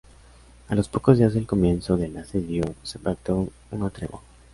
A los pocos días del comienzo del asedio, se pactó una tregua.